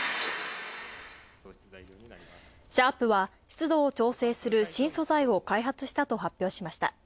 シャープは湿度を調整する新素材を開発したと発表しました。